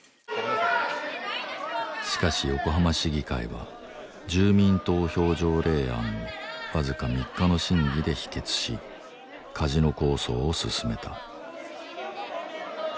しかし横浜市議会は住民投票条例案をわずか３日の審議で否決しカジノ構想を進めた